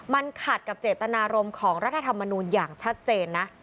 มันขัดกับเจตนารมณ์ของรัฐธรรมนูลอย่างชัดเจนนะ